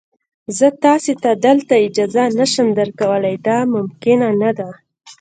زه تاسي ته دلته اجازه نه شم درکولای، دا ممکنه نه ده.